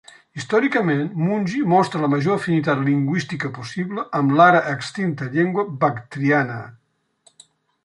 Històricament, Munji mostra la major afinitat lingüística possible amb l'ara extinta llengua bactriana